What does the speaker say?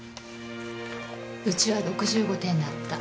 うちは６５点だった。